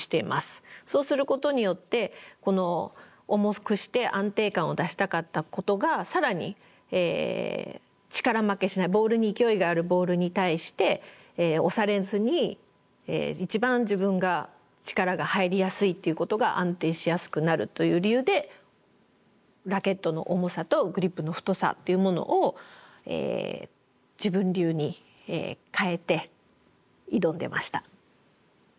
そうすることによって重くして安定感を出したかったことが更に力負けしないボールに勢いがあるボールに対して押されずに一番自分が力が入りやすいっていうことが安定しやすくなるという理由でラケットの重さとグリップの太さっていうものを自分流に変えて挑んでました。